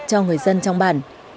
cho người dân trong bản